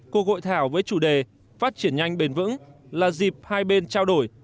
cuộc hội thảo với chủ đề phát triển nhanh bền vững là dịp hai bên trao đổi